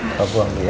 apa buangnya ya